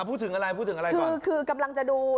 พูดถึงอะไรพูดถึงอะไรคือคือกำลังจะดู